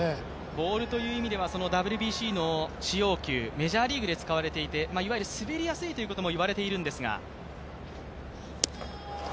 ボールという意味ではＷＢＣの使用球、メジャーリーグで使われていていわゆる滑りやすいということも言われているんですが。